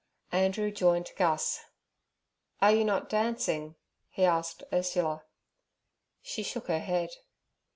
Andrew joined Gus. 'Are you not dancing?' he asked Ursula. She shook her head.